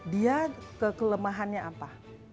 dia kekelemahannya apa